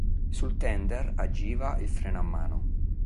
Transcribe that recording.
Sul tender agiva il freno a mano.